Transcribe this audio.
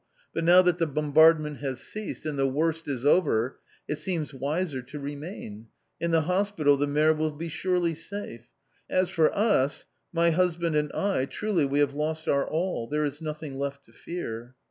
But now that the bombardment has ceased and the worst is over, it seems wiser to remain. In the hospital the mère will be surely safe! As for us, my husband and I, truly, we have lost our all. There is nothing left to fear!"